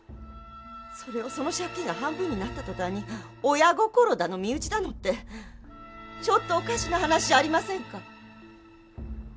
それをその借金が半分になった途端に親心だの身内だのってちょっとおかしな話じゃありませんか？